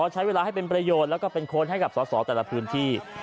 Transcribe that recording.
ใช้เวลาให้เป็นประโยชน์แล้วก็เป็นโค้ดให้กับสอสอแต่ละพื้นที่